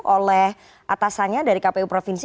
oleh atasannya dari kpu provinsi